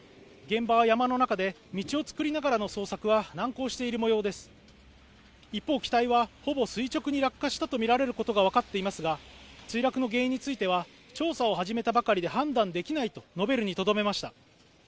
現場は山の中で道を作りながらの捜索は難航しているもようです一方機体はほぼ垂直に落下したと見られることがわかっていますが墜落の原因については調査を始めたばかりで判断できないと述べるにとどめました